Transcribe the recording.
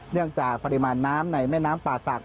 จากปริมาณน้ำในแม่น้ำป่าศักดิ